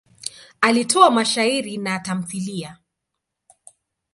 Alitoa mashairi na tamthiliya.